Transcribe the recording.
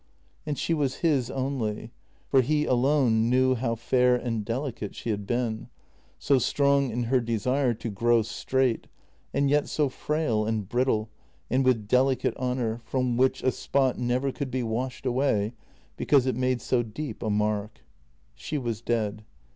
And she was his only, for he alone knew how fair and delicate she had been — so strong in her desire to grow straight, and yet so frail and brittle, and with delicate honour, from which a spot never could be washed away because it made so deep a mark. She was dead.